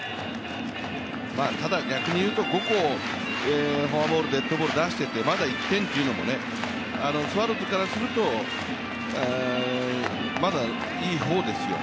ただ、逆に言うと５個フォアボール、デットボール出しててまだ１点というのも、スワローズからすると、まだ、いい方ですよ。